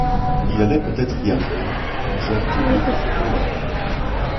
Il allait peut-être y arriver quand Jacques deux tomba.